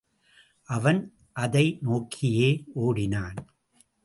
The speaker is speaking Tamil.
அவன் அதை நோக்கியே ஒடினான்.